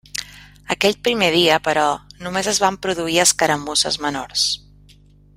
Aquell primer dia, però, només es van produir escaramusses menors.